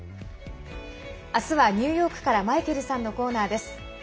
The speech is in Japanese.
あすはニューヨークからマイケルさんのコーナーです。